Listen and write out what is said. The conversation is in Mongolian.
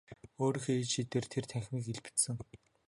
Өөрийнхөө ид шидээр тэр танхимыг илбэдсэн.